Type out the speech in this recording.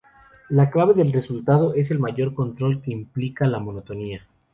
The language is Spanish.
La clave del resultado es el mayor control que implica la monotonía.